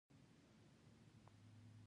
سره لوبیا په شمال کې کیږي.